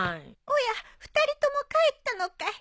おや２人とも帰ったのかい。